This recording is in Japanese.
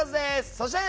そして。